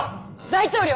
大統領！